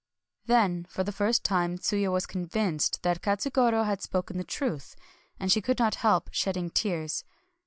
Then for the first time Tsuya was convinced that Katsugoro had spoken the truth ; and she could not help shedding tears.